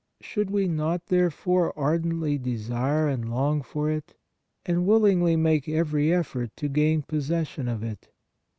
Should we not, therefore, ardently desire and long for it, and willingly make every effort to gain possession of it?